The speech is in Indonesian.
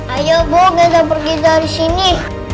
ayo bu kita pergi dari sini